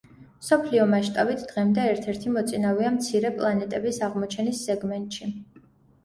მსოფლიო მასშტაბით დღემდე ერთ-ერთი მოწინავეა მცირე პლანეტების აღმოჩენის სეგმენტში.